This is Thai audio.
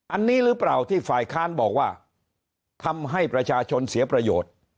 อันนี้หรือเปล่าที่ฝ่ายค้านบอกว่าทำให้ประชาชนเสียประโยชน์